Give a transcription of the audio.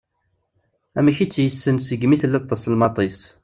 Amek i tt-yessen segmi tella d taselmadt-is.